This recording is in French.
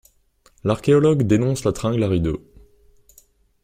L'archéologue dénonce la tringle à rideaux.